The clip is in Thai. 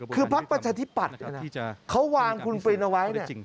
คือภาพประชาธิบัตรเขาวางคุณปรินเอาไว้